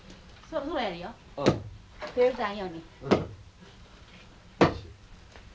うん。